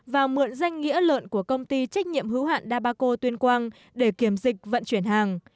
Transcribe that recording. và mượn danh nghĩa lợn của công ty trách nhiệm hữu hạn dabaco tuyên quang để kiểm dịch vận chuyển hàng